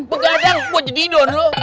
pegadang buat tidur lo